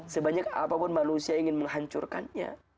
sebanyak apapun manusia ingin menghancurkannya